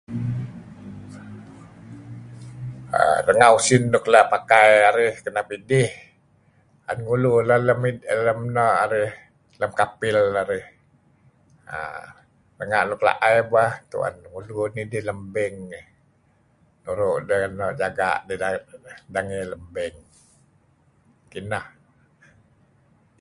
RErr...renga' usin nuk la' pakai arih kenep idih 'en ngulu lem no' arih, lem kapei arih. Renga' nuk la'eh bah, ngulu lem beng nidih. Nuru' ideh jaga' dih dangey lem beng ngih. Kineh.